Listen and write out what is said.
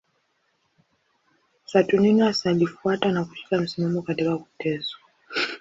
Saturninus alifuata na kushika msimamo katika kuteswa.